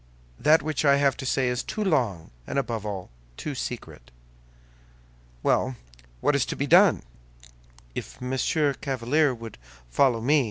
That which I have to say is too long, and above all, too secret." "Well, what is to be done?" "If Monsieur Chevalier would follow me?"